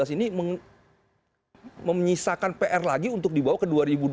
dua ribu sembilan belas ini menyisakan pr lagi untuk dibawa ke dua ribu dua puluh